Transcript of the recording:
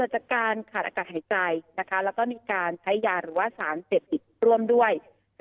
จากการขาดอากาศหายใจแล้วก็มีการใช้ยาหรือว่าสารเสพติดร่วมด้วย